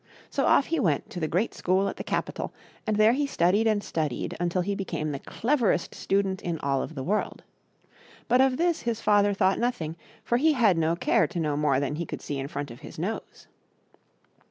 So off he went to the great school at the capital, and there he studied and studied until he became the cleverest student in all of the world. But of this his father thought nothing, for he had no care to know more than he could see in front of his nose.